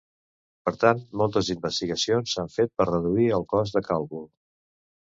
Per tant, moltes investigacions s'han fet per reduir el cost de càlcul.